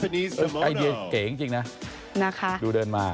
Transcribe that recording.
ไอเดียเก๋จริงนะดูเดินมา